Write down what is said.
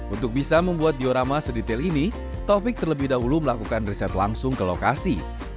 untuk bisa membuat diorama sedetail ini taufik terlebih dahulu melakukan riset langsung ke lokasi